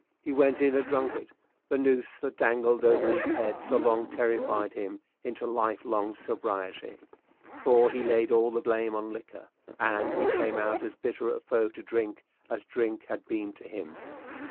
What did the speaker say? He went in a drunkard; the noose that dangled over his head so long terrified him into life long sobriety for he laid all the blame on liquor and he came out as bitter a foe to drink as drink had been to him.